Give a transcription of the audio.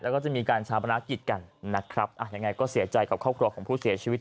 แล้วก็จะมีการชาวประนักกิจกันนะครับยังไงก็เสียใจกับครอบครัวของผู้เสียชีวิต